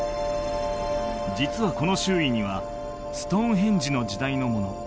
実はこの周囲にはストーンヘンジの時代のもの